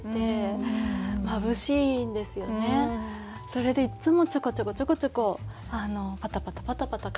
それでいっつもちょこちょこちょこちょこパタパタパタパタ